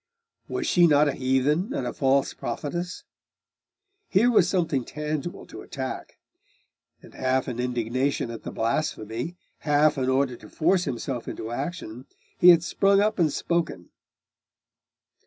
Was she not a heathen and a false prophetess? Here was something tangible to attack; and half in indignation at the blasphemy, half in order to force himself into action, he had sprung up and spoken.